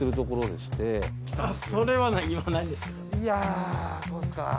いやそうすか。